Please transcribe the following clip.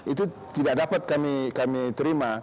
itu tidak dapat kami terima